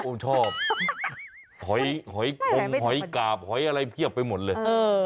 ชอบหอยคงหอยกาบหอยอะไรเพียบไปหมดเลย